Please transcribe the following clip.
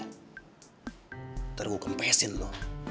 ntar gue kempesin lu